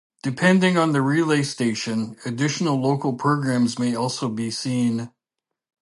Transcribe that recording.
Depending on the relay station, additional local programs may also be seen.